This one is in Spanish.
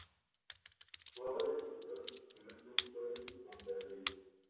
Jugaba de defensor y su primer club fue el Temperley.